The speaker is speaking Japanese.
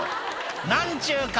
何ちゅう顔